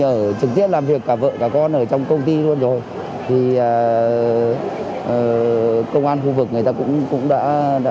ở trực tiếp làm việc cả vợ cả con ở trong công ty luôn rồi thì công an khu vực người ta cũng đã